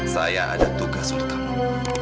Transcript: saya ada tugas untuk kamu